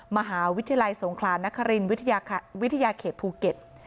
มหาวิทยาลัยสงครานนครินวิทยาเขตภูเก็ต